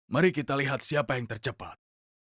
mari kita lihat siapa yang tercepat